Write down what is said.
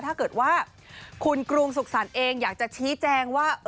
ถ้าเกิดว่าคุณกรุงสุขสรรค์เองอยากจะชี้แจงว่า